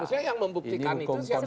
maksudnya yang membuktikan itu siapa